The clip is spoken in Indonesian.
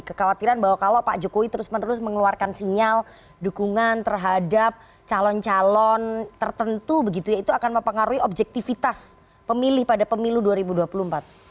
kekhawatiran bahwa kalau pak jokowi terus menerus mengeluarkan sinyal dukungan terhadap calon calon tertentu begitu ya itu akan mempengaruhi objektivitas pemilih pada pemilu dua ribu dua puluh empat